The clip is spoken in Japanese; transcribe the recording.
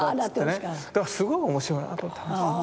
だからすごい面白いなと思ったんですよ。